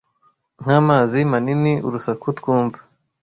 nkamazi manini urusaku twumva